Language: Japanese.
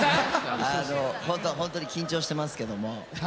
ほんとに緊張してますけども。